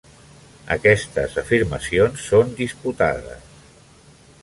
Aquestes afirmacions són disputades.